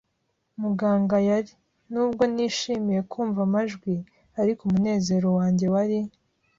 Muganga yari. Nubwo nishimiye kumva amajwi, ariko umunezero wanjye wari